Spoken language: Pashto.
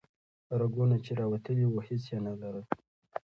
رګونه چې راوتلي وو هیڅ یې نه لرل.